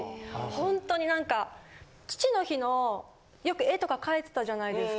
本当に何か父の日のよく絵とか描いてたじゃないですか。